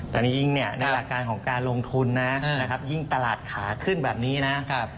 แต่นี่ยิ่งเนี่ยในหลักการของการลงทุนนะครับยิ่งตลาดขาขึ้นแบบนี้นะ